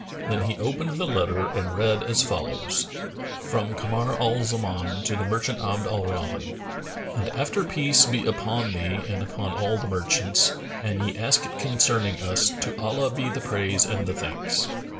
Then he opened the letter and read as follows, "From Kamar al Zaman to the merchant Abd al Rahman. And after Peace be upon thee and upon all the merchants! An ye ask concerning us, to Allah be the praise and the thanks.